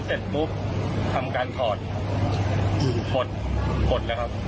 ยึดเสร็จปุ๊บทำการถอดถอดถอดละครับ